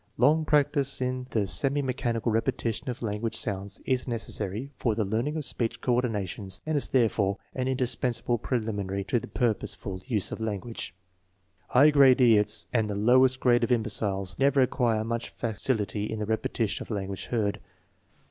Long practice in the semi mechanical repetition of language sounds is necessary for the learning of speech coordinations and is therefore an indispensable preliminary to the purposeful use of language. High grade idiots and the lowest grade of imbeciles never ac quire much facility in the repetition of language heard.